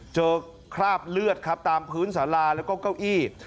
คราบเลือดครับตามพื้นสาราแล้วก็เก้าอี้